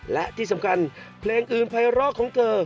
และที่สำคัญเพลงอื่นภัยร้อของเธอ